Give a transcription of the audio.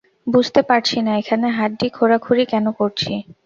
বুঝতে পারছি না এখানে হাড্ডি খোড়াখুড়ি কেন করছি।